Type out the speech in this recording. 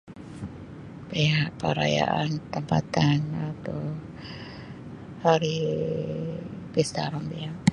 [unintelligible] perayaan tempatan Um tu Hari Pesta Rumbia.